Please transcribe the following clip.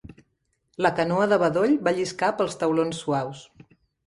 La canoa de bedoll va lliscar pels taulons suaus.